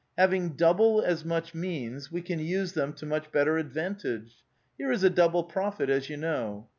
Having double as much means, we can use them to much better advantage. Here is a double profit, as you know.